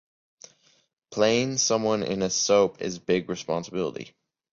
Playing someone in a soap is a big responsibility.